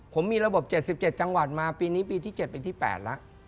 ผมมีระบบ๗๗จังหวัดมาปีนี้ปีที่๗ปีที่๘แล้ว